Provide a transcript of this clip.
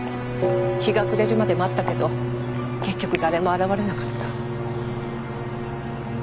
日が暮れるまで待ったけど結局誰も現れなかった。